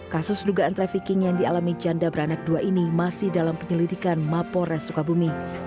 kasus dugaan trafficking yang dialami janda beranak dua ini masih dalam penyelidikan mapores sukabumi